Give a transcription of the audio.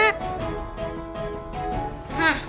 hah aku tahu